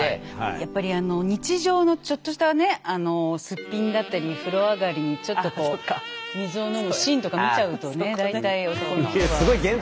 やっぱり日常のちょっとしたねすっぴんだったり風呂上がりにちょっとこう水を飲むシーンとか見ちゃうとね大体男の人は。